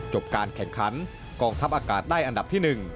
การแข่งขันกองทัพอากาศได้อันดับที่๑